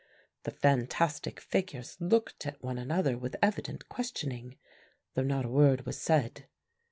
The fantastic figures looked at one another with evident questioning, though not a word was said.